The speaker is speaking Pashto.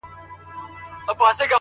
ويل دغي ژبي زه يم غولولى-